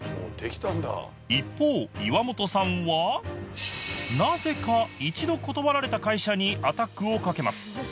一方岩元さんはなぜか一度断られた会社にアタックをかけます